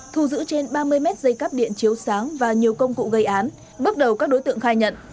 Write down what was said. thu giữ trên ba mươi mét dây cắp điện chiếu sáng và nhiều công cụ gây án bước đầu các đối tượng khai nhận